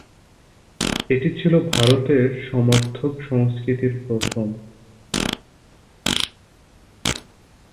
এটি ছিল ভারতের সমর্থক সংস্কৃতির প্রথম।